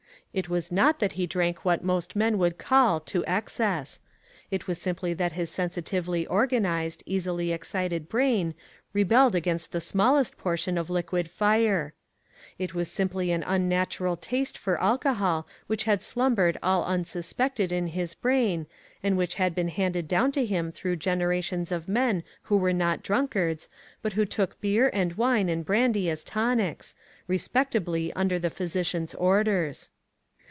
It was not that he drank what most men would call to excess. It was simply that his sensitively organized, easily excited brain rebelled against the smallest portion of liquid fire. It was simply an unnatural taste for alcohol which had slumbered all unsuspected in his brain, and which had been handed down to him through generations of men who were not drunkards, but who took OVERDOING. 443 beer, and wine, and brandy as tonics, re spectably under the physician's orders.